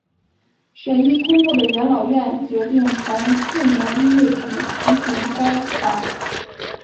审议通过的元老院决定从次年一月起施行该法。